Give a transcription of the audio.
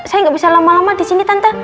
saya nggak bisa lama lama di sini tanta